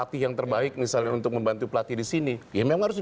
bagaimana rencana kedepannya dari federasi